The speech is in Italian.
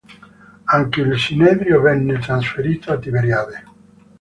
Anche il sinedrio venne trasferito a Tiberiade.